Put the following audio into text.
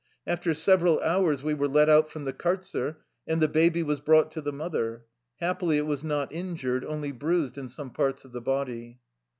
After several hours we were let out from the kartzer, and the baby was brought to the mother. Happily it was not in jured ; only bruised in some parts of the body.